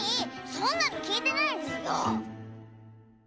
そんなのきいてないズルよ！